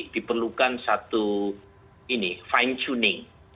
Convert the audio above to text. diperlukan satu fine tuning